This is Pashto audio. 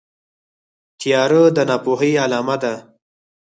تیاره د ناپوهۍ علامه ده.